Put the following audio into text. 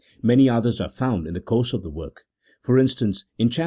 Many others are found in the course of the work: for instance, in chap.